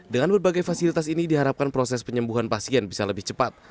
dengan berbagai fasilitas ini diharapkan proses penyembuhan pasien bisa lebih cepat